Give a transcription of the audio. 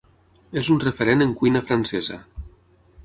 És un referent en cuina francesa.